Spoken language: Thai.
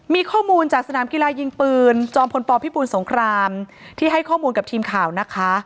มีข้อมูลจากสนามกีฬายิงปืนจอมพลปพิบูลสงครามที่ให้ข้อมูลกับทีมข่าวนะคะ